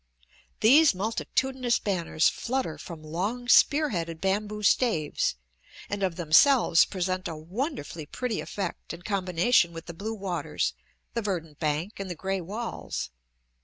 These multitudinous banners flutter from long, spear headed bamboo staves, and of themselves present a wonderfully pretty effect in combination with the blue waters, the verdant bank, and the gray walls.